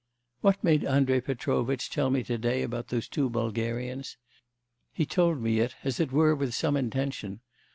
'... What made Andrei Petrovitch tell me to day about those two Bulgarians! He told me it as it were with some intention.